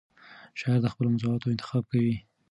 شاعر د خپلو موضوعاتو انتخاب کوي.